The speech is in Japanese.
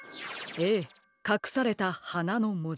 ええかくされた「はな」のもじ。